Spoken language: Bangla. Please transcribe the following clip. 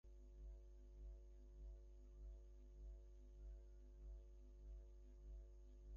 কোনোমতে লোহার তার এঁটে মাথাটাকে ঠিক জায়গায় ধরে রাখাই কি জীবনের চরম পুরুষার্থ?